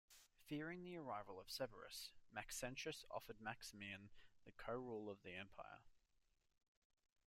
Fearing the arrival of Severus, Maxentius offered Maximian the co-rule of the empire.